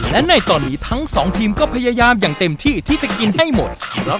และในตอนนี้ทั้งสองทีมก็พยายามอย่างเต็มที่ที่จะกินให้หมด